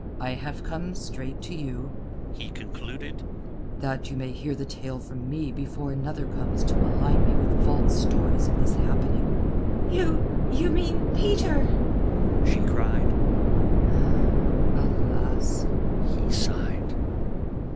I have come straight to you," he concluded, "that you may hear the tale from me before another comes to malign me with false stories of this happening." "You... you mean Peter?" she cried. "Alas!" he sighed.